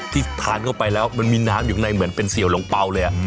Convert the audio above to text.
ที่ทานเข้าไปแล้วมันมีน้ำอยู่ในเหมือนเป็นเสี่ยวหลงเปล่าเลย